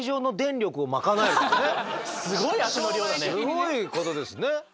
すごいことですね。